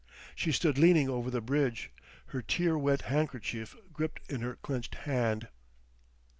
She stood leaning over the bridge; her tear wet handkerchief gripped in her clenched hand.